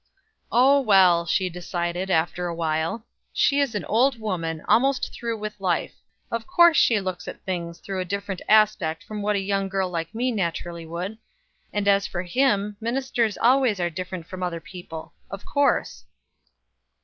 "Oh, well!" she decided, after a little, "she is an old woman, almost through with life. Of course she looks at everything through a different aspect from what a young girl like me naturally would; and as for him, ministers always are different from other people, of course."